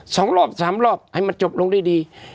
สองรอบสามรอบให้มันจบลงด้วยดี